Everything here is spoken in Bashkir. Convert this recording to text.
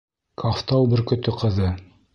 — Ҡафтау бөркөтө ҡыҙы...